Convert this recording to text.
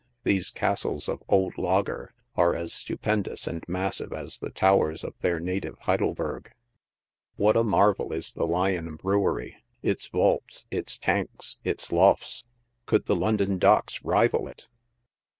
These castle3 of old Lager are as stupendous and massive a3 the tow ers of their native Heidelburgh. What a marvel is the Lion Brew ery ! Its vaults, its tanks, its lofts ! could the London docks rival it.